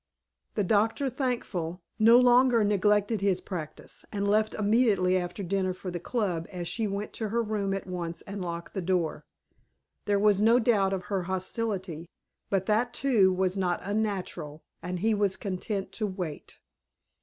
The doctor, thankful, no longer neglected his practice, and left immediately after dinner for the Club as she went to her room at once and locked the door. There was no doubt of her hostility, but that, too, was not unnatural, and he was content to wait.